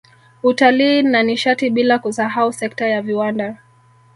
Utalii na Nishati bila kusahau sekta ya viwanda